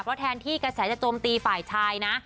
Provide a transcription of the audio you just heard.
เพราะแทนที่กระแสจะโจมตีฝ่ายชายนะ